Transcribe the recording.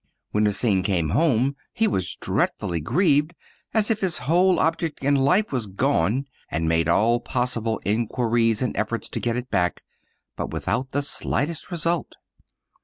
When Hsing came home, he was dreadfully grieved, as if his whole ob ject in life was gone; and made all possible inquiries and efforts to get it back, but without the slightest result.